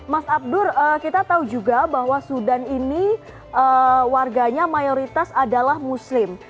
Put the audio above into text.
mas abdur kita tahu juga bahwa sudan ini warganya mayoritas adalah muslim